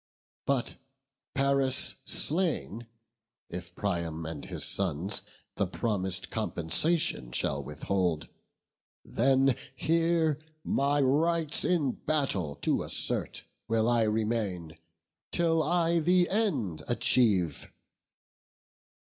But, Paris slain, if Priam and his sons The promis'd compensation shall withhold, Then here, my rights in battle to assert, Will I remain, till I the end achieve."